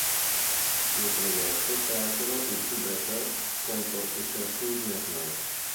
Nei play-off persero il "tie-breaker" contro i Syracuse Nationals.